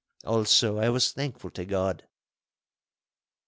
Also I was thankful to God.